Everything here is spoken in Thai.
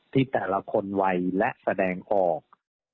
ที่แต่ละคนไวและแสดงออก